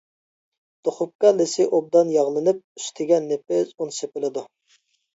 دۇخوپكا لېسى ئوبدان ياغلىنىپ، ئۈستىگە نېپىز ئۇن سېپىلىدۇ.